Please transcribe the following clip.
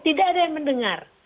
tidak ada yang mendengar